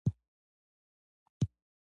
• سپوږمۍ ته وګوره او آرامه کښېنه.